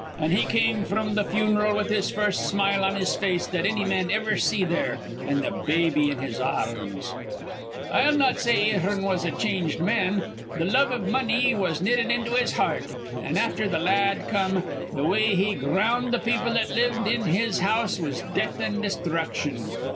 An' he come fr'm th' fun'ral with th' first smile on his face that anny man iver see there, an' th' baby in his ar rms. "I'll not say Ahearn was a changed man. Th' love iv money was knitted into his heart; an', afther th' la ad come, th' way he ground th' people that lived in his house was death an' destruction.